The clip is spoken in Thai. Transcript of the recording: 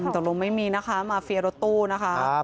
ตรงนี้ไม่มีนะคะมาเฟียร์รถตู้นะคะ